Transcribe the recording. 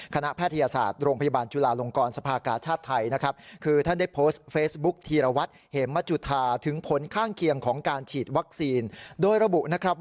แพทยศาสตร์โรงพยาบาลจุลาลงกรสภากาชาติไทยนะครับ